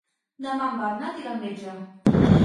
Demà en Bernat irà al metge.